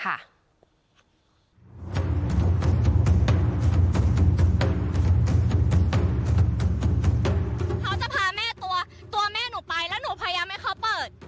เขาจะพาแม่ตัวแม่หนูไปแล้วหนูพยายามให้เขาเปิด